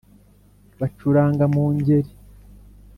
. Bacuranga mu Ngeri